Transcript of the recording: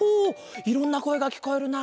いろんなこえがきこえるな。